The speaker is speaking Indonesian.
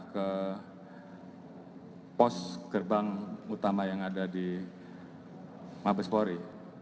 ke pos gerbang utama yang ada di mabespori